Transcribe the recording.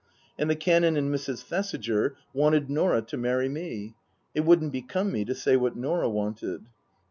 And the Canon and Mrs. Thesiger wanted Norah to marry me. It wouldn't become me to say what Norah wanted.